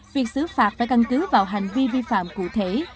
việc xử phạt phải căn cứ vào hành vi vi phạm cụ thể